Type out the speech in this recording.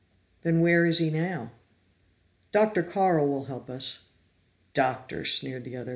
"Then where is he now?" "Dr. Carl will help us!" "Doctor!" sneered the other.